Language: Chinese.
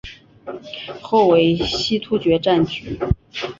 后为西突厥占据。